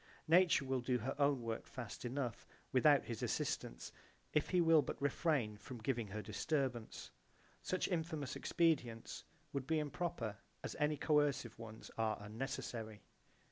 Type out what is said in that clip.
Nature will do her own work fast enough without his assistance if he will but refrain from giving her disturbance. Such infamous expedients would be improper as any coercive ones are unnecessary.